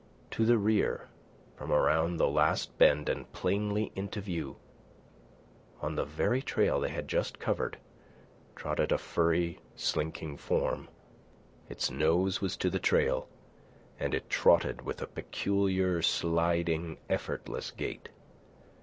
To the rear, from around the last bend and plainly into view, on the very trail they had just covered, trotted a furry, slinking form. Its nose was to the trail, and it trotted with a peculiar, sliding, effortless gait.